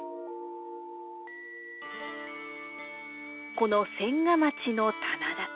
この千框の棚田。